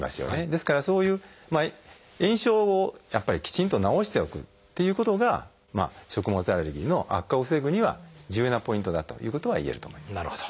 ですからそういう炎症をやっぱりきちんと治しておくっていうことが食物アレルギーの悪化を防ぐには重要なポイントだということがいえると思います。